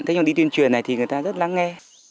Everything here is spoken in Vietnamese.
thế nhưng đi tuyên truyền này thì người ta rất lắng nghe